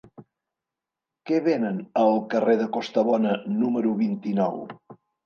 Què venen al carrer de Costabona número vint-i-nou?